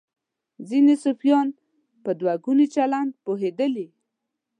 ځینې صوفیان پر دوه ګوني چلند پوهېدلي.